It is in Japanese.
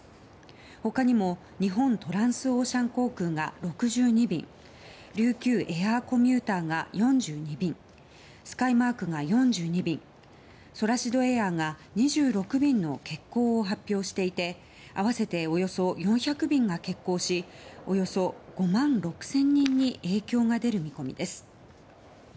他にも日本トランスオーシャン航空が６２便琉球エアーコミューターが４２便スカイマークが４２便ソラシドエアが２６便の欠航を発表していて合わせておよそ４００便が欠航しおよそ５万６０００人に影響が出る見込みです。